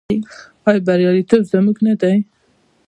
آیا بریالیتوب زموږ نه دی؟